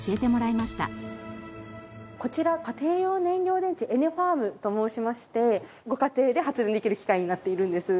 こちら家庭用燃料電池エネファームと申しましてご家庭で発電できる機械になっているんです。